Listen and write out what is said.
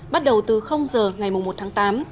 bắt đầu từ h ngày một tháng tám